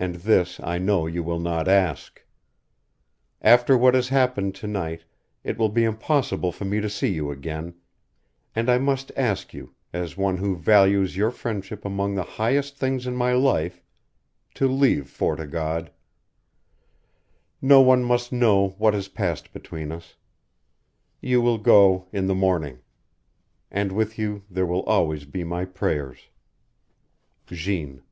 And this, I know, you will not ask. After what has happened to night it will be impossible for me to see you again, and I must ask you, as one who values your friendship among the highest things in my life, to leave Fort o' God. No one must know what has passed between us. You will go in the morning. And with you there will always be my prayers. JEANNE.